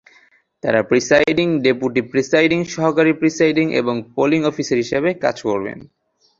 তাঁরা presiding, deputy presiding, সহকারী presiding এবং পোলিং অফিসার হিসেবে কাজ করবেন।